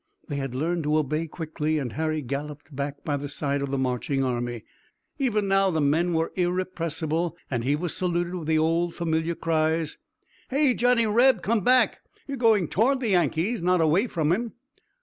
They had learned to obey quickly and Harry galloped back by the side of the marching army. Even now the men were irrepressible and he was saluted with the old familiar cries: "Hey, Johnny Reb, come back! You're going toward the Yankees, not away from 'em."